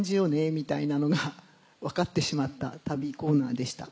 みたいなのが分かってしまった旅コーナーでした。